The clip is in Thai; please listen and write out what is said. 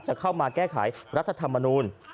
จะเข้ามาแก้ไขรัฐธรรมนูล